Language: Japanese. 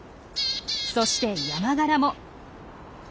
そしてヤマガラも。